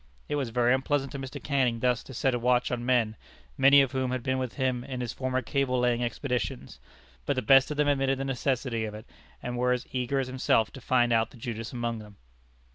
It was very unpleasant to Mr. Canning thus to set a watch on men, many of whom had been with him in his former cable laying expeditions, but the best of them admitted the necessity of it, and were as eager as himself to find out the Judas among them.